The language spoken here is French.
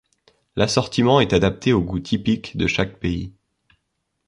L'assortiment est adapté au goût typique de chaque pays.